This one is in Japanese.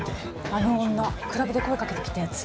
あの女クラブで声かけてきたやつ。